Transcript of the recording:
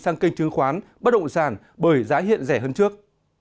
sang kênh chứng khoán bất động sản bởi giá hiện rẻ hơn trước